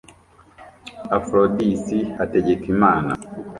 Aphrodis Hategikimana